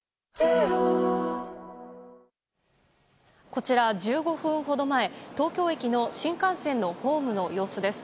こちら１５分ほど前東京駅の新幹線のホームの様子です。